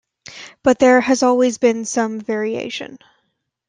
But there has always been some variation.